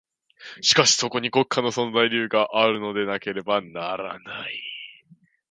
しかしそこに国家の存在理由があるのでなければならない。